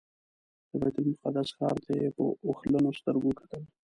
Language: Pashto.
د بیت المقدس ښار ته یې په اوښلنو سترګو وکتل.